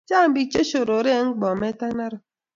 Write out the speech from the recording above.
chang pik che shorore en Bomet ak Narok